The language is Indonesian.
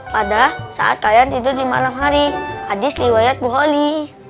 pada saat kalian tidur di malam hari hadits liwayat buholly